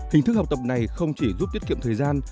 hình thức học tập này không chỉ giúp tiết kiệm thời gian